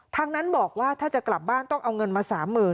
ทั้งนั้นบอกว่าถ้าจะกลับบ้านต้องเอาเงินมา๓๐๐๐